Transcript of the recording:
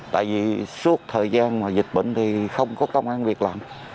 tại vì suốt thời gian mà dịch bệnh thì không có công an việc làm